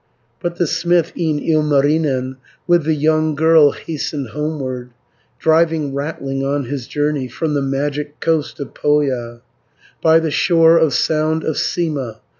But the smith, e'en Ilmarinen, With the young girl hastened homeward, Driving rattling on his journey, From the magic coast of Pohja, 500 By the shore of Sound of Sima.